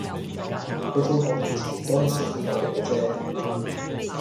去到我面前都係小朋友嚟嘅啫